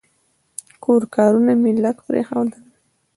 کور کارونه مې لږ پرېښودل.